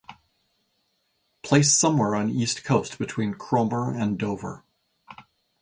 Place somewhere on East Coast between Cromer and Dover.